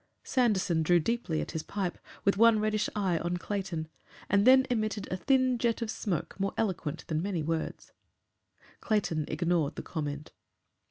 Sanderson drew deeply at his pipe, with one reddish eye on Clayton, and then emitted a thin jet of smoke more eloquent than many words. Clayton ignored the comment.